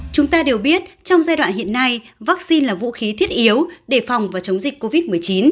chúng ta đều biết trong giai đoạn hiện nay vaccine là vũ khí thiết yếu để phòng và chống dịch covid một mươi chín